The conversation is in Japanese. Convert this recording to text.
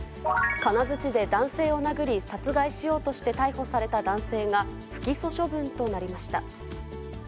金づちで男性を殴り、殺害しようとして逮捕された男性が、不起訴処分となりました。